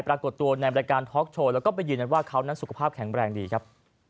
ปรากฏตัวในบริการท็อกโชว์แล้วก็ไปยืนยันว่าเขานั้นสุขภาพแข็งแรงดีครับ